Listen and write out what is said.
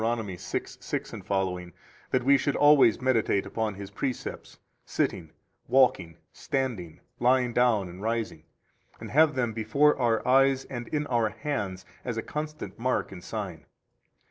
6:6ff that we should always meditate upon His precepts, sitting, walking, standing, lying down, and rising, and have them before our eyes and in our hands as a constant mark and sign.